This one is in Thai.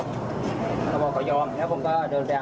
เขาบอกเขายอมแล้วผมก็เดินไป